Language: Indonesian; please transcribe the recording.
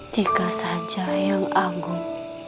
tiga saja yang anggun